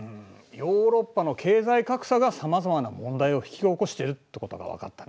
ヨーロッパの経済格差がさまざまな問題を引き起こしてるってことが分かったな。